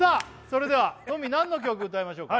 それではトミー何の曲歌いましょうか？